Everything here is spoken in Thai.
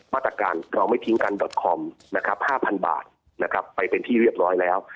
มาตรการเราไม่ทิ้งกันคอม๕๐๐๐บาทไปเป็นที่เรียบร้อยแล้ว